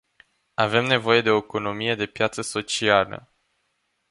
Avem nevoie de o economie de piață socială.